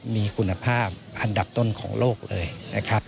มีคุณภาพอันดับต้นของโลกเลยนะครับ